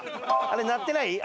あれ鳴ってない？